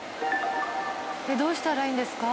どうしたらいいんですか？